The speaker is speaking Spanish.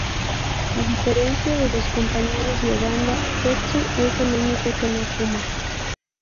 A diferencia de sus compañeros de banda, Tetsu es el único que no fuma.